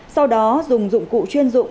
sau đó dùng dụng cụ chuyên dụng